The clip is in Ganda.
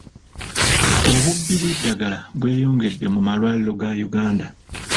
Obubbi bw'eddagala bweyongedde mu malwaliro ga Uganda.